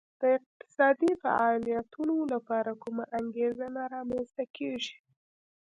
د اقتصادي فعالیتونو لپاره کومه انګېزه نه رامنځته کېږي